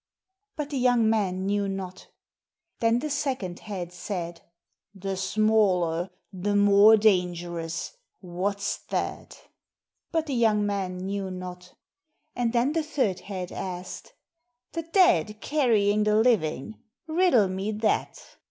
But the young man knew not. Then the second head said : "The smaller, the more dangerous, what's that ?" But the young man knew not. And then the third head asked : "The dead carrying the living ? riddle me that.'